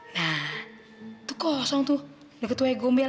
nah tuh kosong tuh deket gue gombel